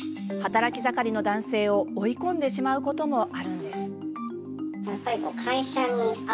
働き盛りの男性を追い込んでしまうこともあるんです。